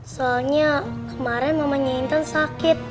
soalnya kemarin mamanya intan sakit